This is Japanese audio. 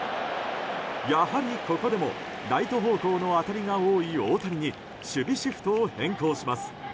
やはりここでもライト方向の当たりが多い大谷に守備シフトを変更します。